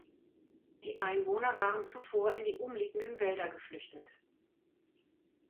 Die Einwohner waren zuvor in die umliegenden Wälder geflüchtet.